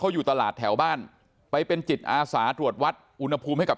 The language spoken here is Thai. อยู่ตลาดแถวบ้านไปเป็นจิตอาสาตรวจวัดอุณหภูมิให้กับ